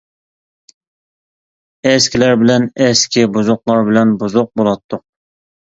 ئەسكىلەر بىلەن ئەسكى، بۇزۇقلار بىلەن بۇزۇق بولاتتۇق.